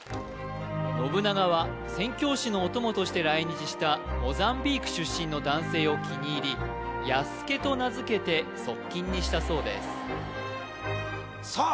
信長は宣教師のお供として来日したモザンビーク出身の男性を気に入り「弥助」と名付けて側近にしたそうですさあ